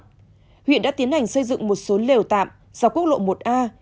tại huyện lệ thủy huyện đã tiến hành xây dựng một số lều tạm do quốc lộ một a